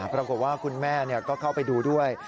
ปรากฏว่าคุณแม่ก็เข้าไปดูด้วย